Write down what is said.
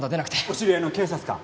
お知り合いの警察官？